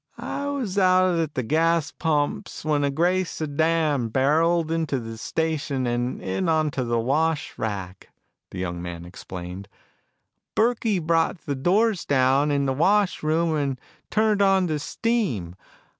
"I was out at the gas pumps when a gray sedan barreled into the station and in onto the wash rack," the young man explained. "Burkey brought the doors down in the wash room and turned on the steam.